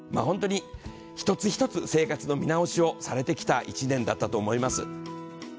ホントに一つ一つ生活の見直しをされてきた１年だったと思います。